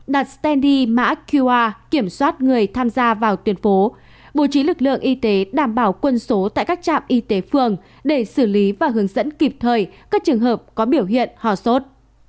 đặc biệt là khu vực đặt standee mã qr kiểm soát người tham gia vào tuyển phố bố trí lực lượng y tế đảm bảo quân số tại các trạm y tế phương để xử lý và hướng dẫn kịp thời các trường hợp có biểu hiện hòa sốt